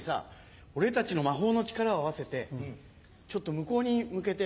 俺たちの魔法の力を合わせてちょっと向こうに向けて。